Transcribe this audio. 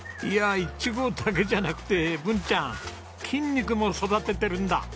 いやイチゴだけじゃなくて文ちゃん筋肉も育ててるんだ！